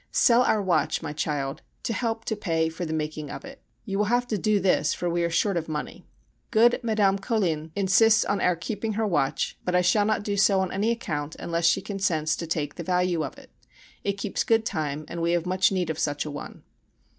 Sell our watch, my child, to help to pay for the making of it. You will have to do this for we are short of money. Good Madame Colin insists on our keeping her watch, but I shall not do so on any account unless she consents to take the value of it. It keeps good time and we have much need of such a one.